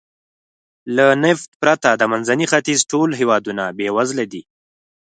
له نفت پرته د منځني ختیځ ټول هېوادونه بېوزله دي.